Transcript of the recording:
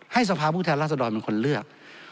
ให้สภาพผู้แทนรัฐนูนเป็นคนเลือก